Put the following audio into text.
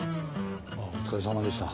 あっお疲れさまでした。